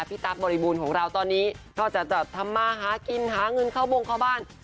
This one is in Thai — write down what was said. ตั๊กบริบูรณ์ของเราตอนนี้นอกจากจะทำมาหากินหาเงินเข้าวงเข้าบ้าน